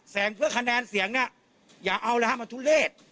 เพื่อคะแนนเสียงเนี่ยอย่าเอาเลยฮะมันทุเลศ